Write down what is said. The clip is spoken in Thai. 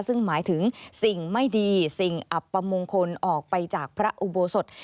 ซึ่งหมายถึงสิ่งไม่ดีสิ่งอับประมงคลออกไปจากพระอุโบสถ